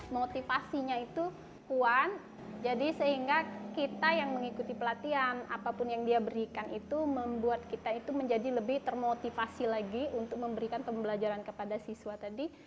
motivasinya itu puan jadi sehingga kita yang mengikuti pelatihan apapun yang dia berikan itu membuat kita itu menjadi lebih termotivasi lagi untuk memberikan pembelajaran kepada siswa tadi